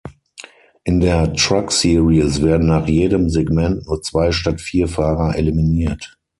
In der Truck Series werden nach jedem Segment nur zwei statt vier Fahrer eliminiert.